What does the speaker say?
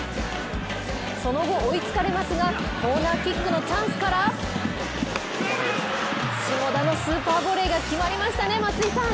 その後、追いつかれますがコーナーキックのチャンスから下田のスーパーボレーが決まりましたね、松井さん。